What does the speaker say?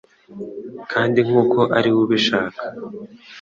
Kandi nkuko ari we ubishaka